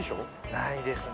ないですね。